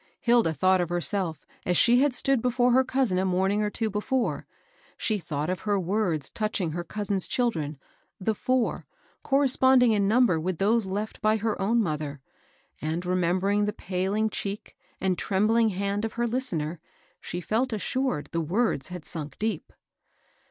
Hilda thought of herself as she had stood before her cous in a morning or two before, — she thought of her words touching her cousin's children, the/owr, cor responding in number with those left by her own mother, — and, remembering the paling cheek and trembling hand of her listener, she felt assured the words had sunk deep.